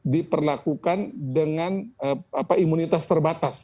diperlakukan dengan imunitas terbatas